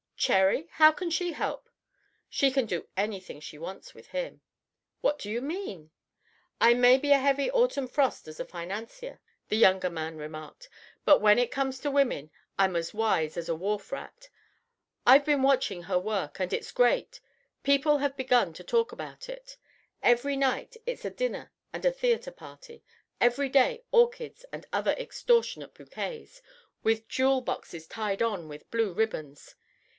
"Cherry! How can she help?" "She can do anything she wants with him." "What do you mean?" "I may be a heavy autumn frost as a financier," the younger man remarked, "but when it comes to women I'm as wise as a wharf rat. I've been watching her work, and it's great; people have begun to talk about it. Every night it's a dinner and a theatre party. Every day, orchids and other extortionate bouquets, with jewel boxes tied on with blue ribbons.